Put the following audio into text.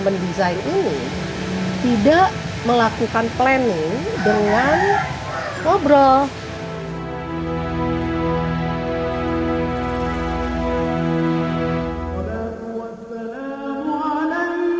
mendesain ini tidak melakukan planning dengan ngobrol